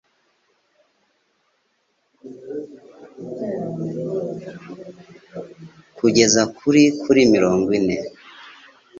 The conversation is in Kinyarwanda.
kugeza kuri kuri mirongi ine